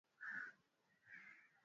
aliweka bayana mambo ya mgahawa huo